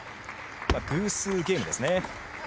偶数ゲームですね。